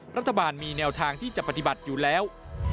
รัฐบาลมีแนวทางที่จะปฏิบัติอยู่แล้ว